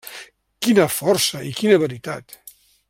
Quina força i quina veritat!